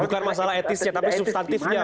bukan masalah etisnya tapi substantifnya